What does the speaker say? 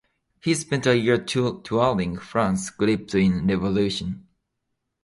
He spent a year touring France, gripped in revolution.